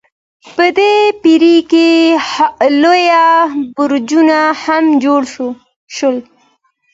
په دې پیړۍ کې لوی برجونه هم جوړ شول.